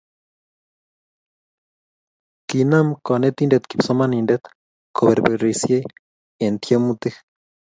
kinam kanetindet kipsomanindet koberbersei eng tiemutik